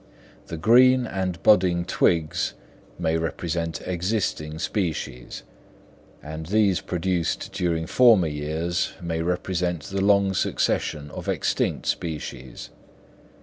The green and budding twigs may represent existing species; and those produced during former years may represent the long succession of extinct species.